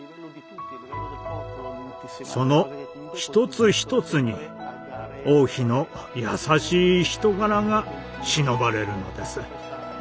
その一つ一つに王妃の優しい人柄がしのばれるのです。